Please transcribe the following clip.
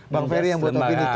pak ferry yang buat begitu